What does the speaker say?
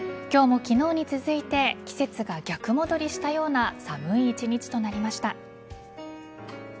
今日も昨日に続いて季節が逆戻りしたような寒い１日となりました。